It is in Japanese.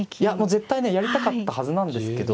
絶対ねやりたかったはずなんですけど。